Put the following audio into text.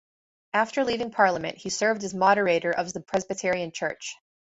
After leaving Parliament he served as Moderator of the Presbyterian Church.